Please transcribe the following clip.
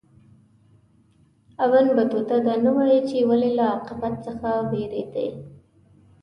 ابن بطوطه دا نه وايي چې ولي له عاقبت څخه ووېرېدی.